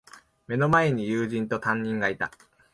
目の前に友人と、担任がいた。